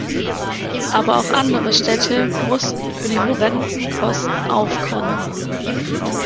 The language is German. Aber auch andere Städte mussten für die horrenden Kosten aufkommen.